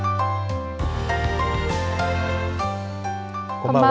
こんばんは。